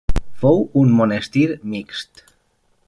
Fou un monestir mixt.